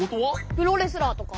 プロレスラーとか。